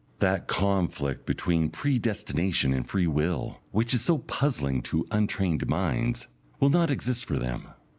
That conflict between Predestination and Free Will, which is so puzzling to untrained minds, will not exist for them.